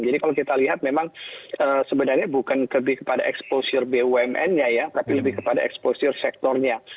jadi kalau kita lihat memang sebenarnya bukan lebih kepada exposure bumn nya ya tapi lebih kepada exposure sektornya